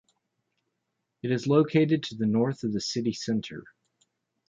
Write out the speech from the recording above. It is located to the north of the city centre.